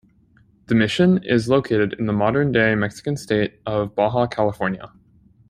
The mission is located in the modern-day Mexican state of Baja California.